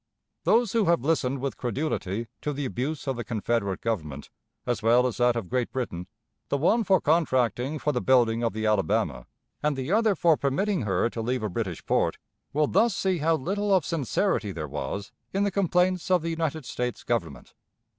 Those who have listened with credulity to the abuse of the Confederate Government, as well as that of Great Britain, the one for contracting for the building of the Alabama and the other for permitting her to leave a British port, will thus see how little of sincerity there was in the complaints of the United States Government.